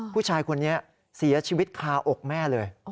ผู้ชายคนนี้เสียชีวิตคาอกแม่เลย